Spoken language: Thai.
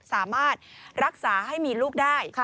สามารถรักษาให้มีลูกได้